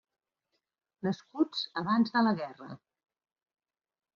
Nascuts abans de la guerra.